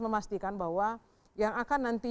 memastikan bahwa yang akan nanti